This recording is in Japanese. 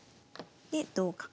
で同角。